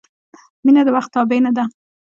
• مینه د وخت تابع نه ده.